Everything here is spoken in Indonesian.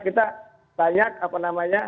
kita banyak apa namanya